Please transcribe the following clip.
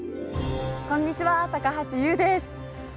こんにちは高橋ユウです。